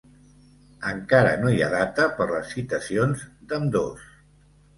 Encara no hi ha data per les citacions d'ambdós